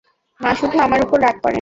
মা শুধু আমার উপর রাগ করেন।